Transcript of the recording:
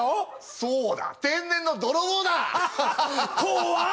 そうだ天然の泥棒だ怖っ